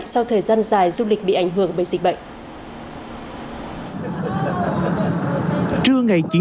sau thời gian dài du lịch bị ảnh hưởng bởi dịch bệnh